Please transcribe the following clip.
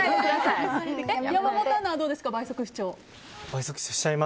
山本アナはどうですか、倍速視聴。